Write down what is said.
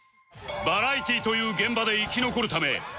バラエティーという現場で生き残るため